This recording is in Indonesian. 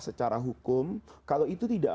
secara hukum kalau itu tidak